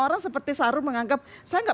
orang seperti sahrul menganggap saya gak